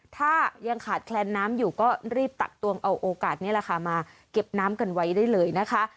ถ้ายังขาดแคลนน้ำอยู่ก็รีบตักตวงเอาโอกาสนี้แหละค่ะมาเก็บน้ำกันไว้ได้เลยนะคะ